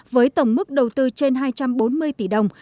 với tổng mức đầu tư trên hai trăm bốn mươi tỷ đồng